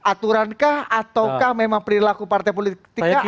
aturankah ataukah memang perilaku partai politik kah